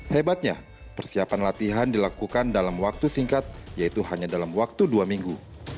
hebatnya persiapan latihan dilakukan dalam waktu singkat yaitu hanya dalam waktu dua minggu